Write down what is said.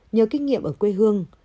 nhờ kinh nghiệm ở quê hương